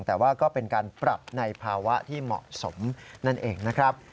แต่ว่าก็เป็นการปรับในภาวะที่เหมาะสมนั่นเองนะครับ